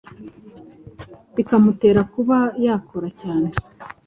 bikamutera kuba yakora cyane